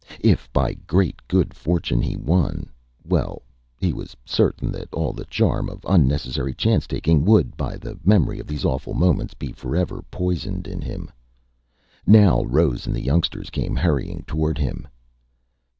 If, by great good fortune, he won well he was certain that all the charm of unnecessary chance taking would, by the memory of these awful moments, be forever poisoned in him. Now Rose and the youngsters came hurrying toward him.